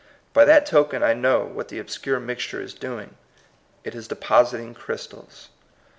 By that token I know what the obscure mixture is doing ; it is depositing crystals.